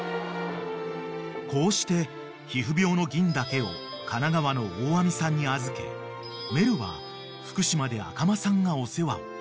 ［こうして皮膚病のぎんだけを神奈川の大網さんに預けメルは福島で赤間さんがお世話］